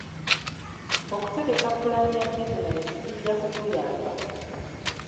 Okutegeka pulaani ya bizinensi kijja kukuyanba.